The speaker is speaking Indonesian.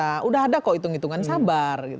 sudah ada kok hitung hitungan sabar